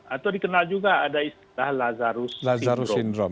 atau dikenal juga ada istilah lazarus sindro